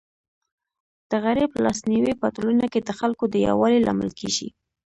د غریب لاس نیوی په ټولنه کي د خلکو د یووالي لامل کيږي.